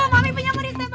mami punya modis testa baru